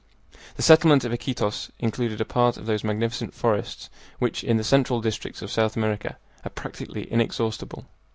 The settlement of Iquitos included a part of those magnificent forests which, in the central districts of South America, are practically inexhaustible.